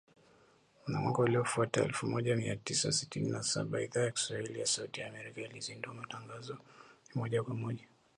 Na mwaka uliofuata, elfu moja mia tisa sitini na saba, Idhaa ya Kiswahili ya Sauti ya Amerika ilizindua matangazo ya moja kwa moja